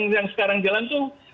yang sekarang jalan itu